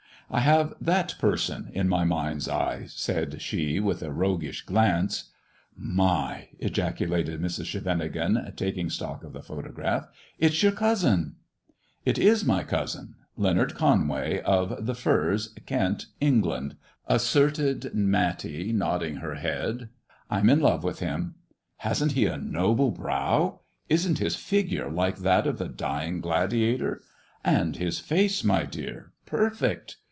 '' I have that person in my mind's eye," said she, with a roguish glance. " My !" ejaculated Mrs. Scheveningen, taking stock of the photograph. " It's your cousin !"" It is my cousin, Leonard Conway, of The Firs, Kent, England," asserted Matty, nodding her head. "Tm in love with him. Hasn't he a noble brow 1 Isn't his figure like that of The Dying Gladiator 1 And his face, my dear, perfect